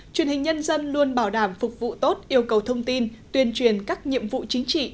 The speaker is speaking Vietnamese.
truyền hình nhân dân luôn bảo đảm phục vụ tốt yêu cầu thông tin tuyên truyền các nhiệm vụ chính trị